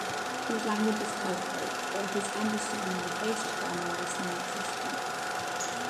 His language is colourful though his understanding of basic grammar is non-existent.